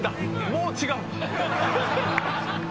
もう違う。